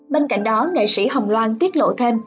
bên cạnh đó nghệ sĩ hồng loan tiết lộ thêm